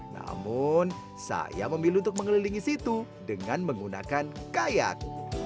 namun saya memilih untuk mengelilingi situ dengan menggunakan kayak